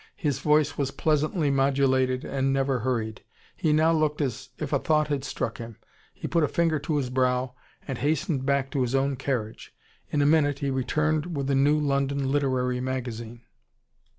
His voice was pleasantly modulated, and never hurried. He now looked as if a thought had struck him. He put a finger to his brow, and hastened back to his own carriage. In a minute, he returned with a new London literary magazine.